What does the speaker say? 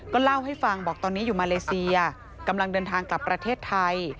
เล่าให้ฟังบอกตอนนี้อยู่มาเลเซียกำลังเดินทางกลับประเทศไทย